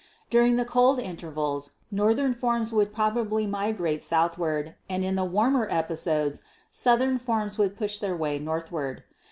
During the cold intervals northern forms would probably migrate southward and in the warmer episodes southern forms would push their way northward.